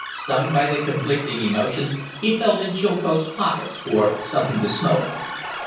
Stung by the conflicting emotions, he felt in Chilcote's pockets for something to smoke.